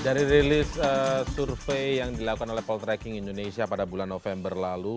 dari release survey yang dilakukan oleh poltrek indonesia pada bulan november lalu